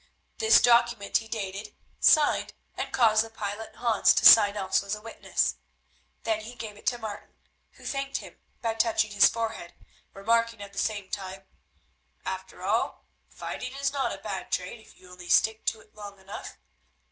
This document he dated, signed, and caused the pilot Hans to sign also as a witness. Then he gave it to Martin, who thanked him by touching his forehead, remarking at the same time— "After all, fighting is not a bad trade if you only stick to it long enough.